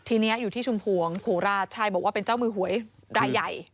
ทีนี้อยู่ที่ชุมพวงโคราชใช่บอกว่าเป็นเจ้ามือหวยรายใหญ่